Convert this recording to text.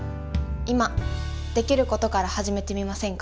今できることから始めてみませんか？